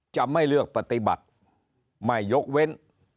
จะไม่เลือกปฏิบัติไม่ยกเว้น